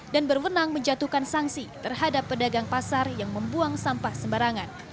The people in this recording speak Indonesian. dan berwenang menjatuhkan sanksi terhadap pedagang pasar yang membuang sampah sembarangan